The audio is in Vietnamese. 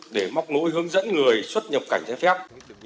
để móc nối hướng dẫn người xuất nhập cảnh trái phép